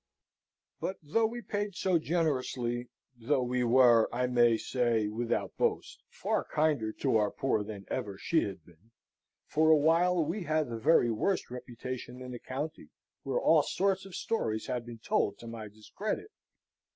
But though we paid so generously, though we were, I may say without boast, far kinder to our poor than ever she had been, for a while we had the very worst reputation in the county, where all sorts of stories had been told to my discredit.